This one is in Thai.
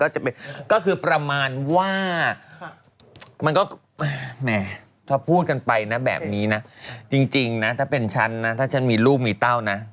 ก็คือประมาณว่ามันก็แหมถ้าพูดกันไปนะแบบนี้นะจริงนะถ้าเป็นฉันนะถ้าฉันมีลูกมีเต้านะ